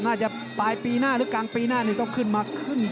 น่าจะปลายปีหน้าหรือกลางปีหน้านี่ต้องขึ้นมาขึ้น